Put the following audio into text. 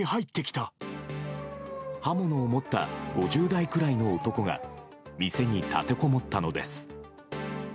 刃物を持った５０代くらいの男が店に立てこもったのです。